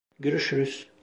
Görüşürüz.